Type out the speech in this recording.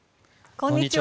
こんにちは。